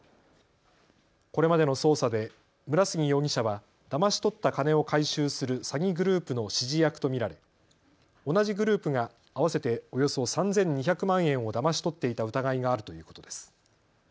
これまでの捜査で村杉容疑者はだまし取った金を回収する詐欺グループの指示役と見られ同じグループが合わせておよそ３２００万円をだまし取っていた疑いがあるということです。